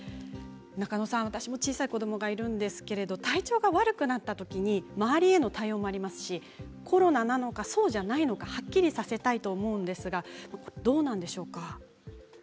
中野さん、私も小さい子どもがいるんですけど体調が悪くなったときに周りへの対応もありますしコロナなのかそうじゃないのかはっきりさせたいと思うんですがどうなんでしょうか。